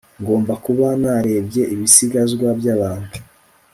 ngomba kuba narebye ibisigazwa byabantu